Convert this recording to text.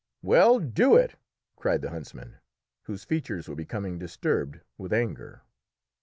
"Well, do it!" cried the huntsman, whose features were becoming disturbed with anger.